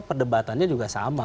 perdebatannya juga sama